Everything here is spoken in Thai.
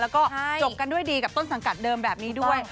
แล้วก็จบกันด้วยดีกับต้นสังกัดเดิมแบบนี้ด้วย